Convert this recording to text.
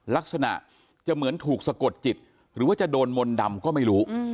ลักษณะจะเหมือนถูกสะกดจิตหรือว่าจะโดนมนต์ดำก็ไม่รู้